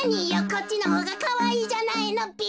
こっちのほうがかわいいじゃないのべ。